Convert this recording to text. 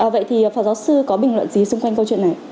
vậy thì phó giáo sư có bình luận gì xung quanh câu chuyện này